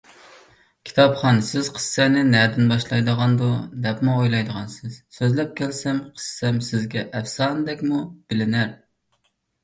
كىتابخان، سىز قىسسەنى نەدىن باشلايدىغاندۇ، دەپمۇ ئويلايدىغانسىز، سۆزلەپ كەلسەم، قىسسەم سىزگە ئەپسانىدەكمۇ بىلىنەر.